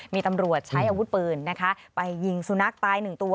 มีตำรวจใช้อาวุธปืนนะคะไปยิงสุนัขตายหนึ่งตัว